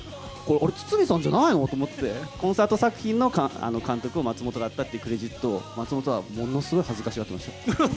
あれ、堤さんじゃないの？と思って、コンサート作品の監督を松本がやったっていうクレジットを、松本はものすごい恥ずかしがってました。